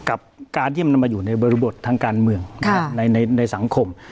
กับการที่มันนำมาอยู่ในบริบททางการเมืองในสังคม